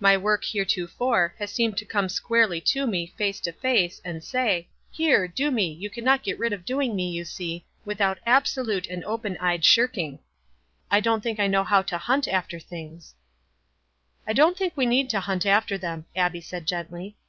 My work, heretofore, has seemed to come squarely to me, face to face, and say, 'Here, do me: you cannot get rid of doing me. you see, without absolute and open eved shirkimr.' 1 don't think I know how to hunt after fcbings." "I don't think we need to hunt after them," aid, gently.